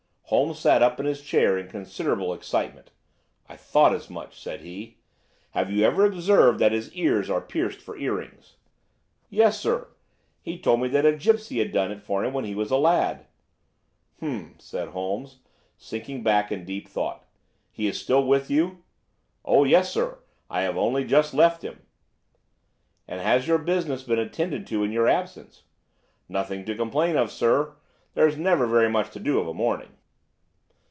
Holmes sat up in his chair in considerable excitement. "I thought as much," said he. "Have you ever observed that his ears are pierced for earrings?" "Yes, sir. He told me that a gipsy had done it for him when he was a lad." "Hum!" said Holmes, sinking back in deep thought. "He is still with you?" "Oh, yes, sir; I have only just left him." "And has your business been attended to in your absence?" "Nothing to complain of, sir. There's never very much to do of a morning."